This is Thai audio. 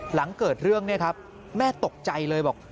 หลังเกิดเรื่องเนี่ยครับแม่ตกใจเลยบอก